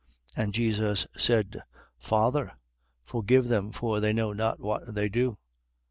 23:34. And Jesus said: Father, forgive them, for they know not what they do.